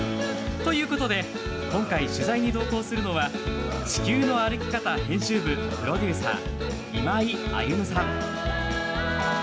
今回、取材に同行するのは地球の歩き方編集部プロデューサー、今井歩さん。